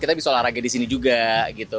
kita bisa olahraga di sini juga gitu